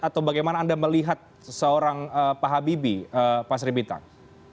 atau bagaimana anda melihat seseorang pak habibie pak sri bintang